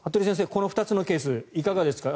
この２つのケースいかがですか。